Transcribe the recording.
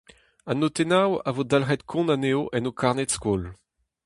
Ho notennoù a vo dalc'het kont anezho en ho karned-skol.